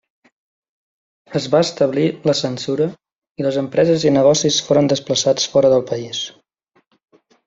Es va establir la censura i les empreses i negocis foren desplaçats fora del país.